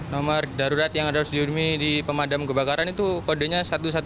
nomor darurat yang harus dihubungi di pemadam kebakaran itu kodenya satu ratus dua belas